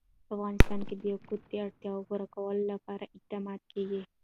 په افغانستان کې د یاقوت د اړتیاوو پوره کولو لپاره اقدامات کېږي.